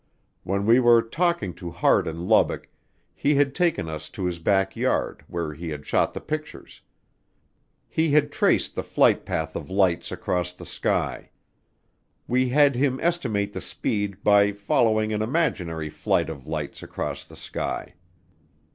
When we were talking to Hart in Lubbock, he had taken us to his back yard, where he had shot the pictures. He had traced the flight path of fights across the sky. We had him estimate the speed by following an imaginary flight of lights across the sky.